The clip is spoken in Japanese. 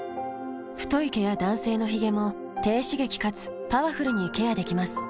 太い毛や男性のヒゲも低刺激かつパワフルにケアできます。